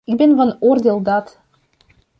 Ik ben van oordeel dat ...